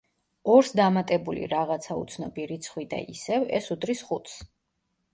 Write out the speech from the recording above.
ორს დამატებული რაღაცა უცნობი რიცხვი და ისევ, ეს უდრის ხუთს.